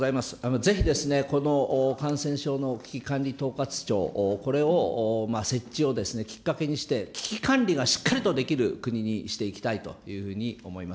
ぜひこの感染症の危機管理統括庁、これを設置をきっかけにして、危機管理がしっかりとできる国にしていきたいというふうに思います。